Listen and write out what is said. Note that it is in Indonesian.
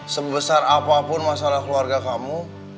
sebesar apapun masalah keluarga kamu